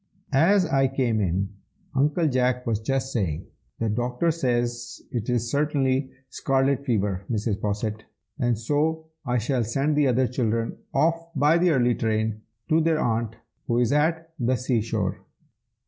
As I came in, Uncle Jack was just saying "The doctor says it is certainly scarlet fever, Mrs. Posset, so I shall send the other children off by the early train, to their aunt, who is at the sea shore."